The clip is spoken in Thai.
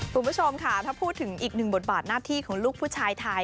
คุณผู้ชมค่ะถ้าพูดถึงอีกหนึ่งบทบาทหน้าที่ของลูกผู้ชายไทย